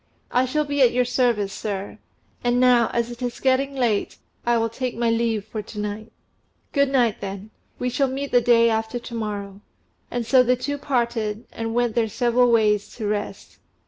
"I shall be at your service, sir. And now, as it is getting late, I will take my leave for to night." "Good night, then. We shall meet the day after to morrow." And so the two parted, and went their several ways to rest.